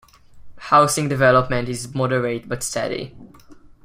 Housing development is moderate but steady.